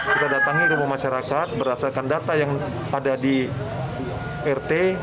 kita datangi rumah masyarakat berdasarkan data yang ada di rt